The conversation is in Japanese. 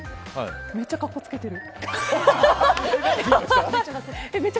めっちゃ格好つけてる！